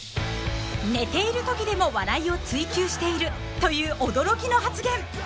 ［寝ているときでも笑いを追求しているという驚きの発言］